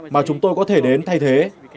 mà chúng tôi có thể đến thay thế